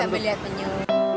ya sambil melihat penyul